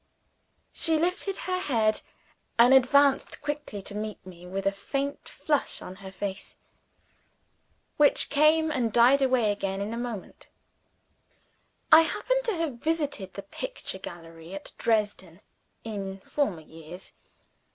She lifted her head and advanced quickly to meet me with a faint flush on her face, which came and died away again in a moment. I happen to have visited the picture gallery at Dresden in former years.